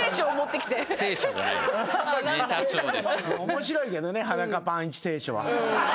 面白いけどね裸パンいち聖書は。